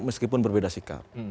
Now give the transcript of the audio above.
meskipun berbeda sikap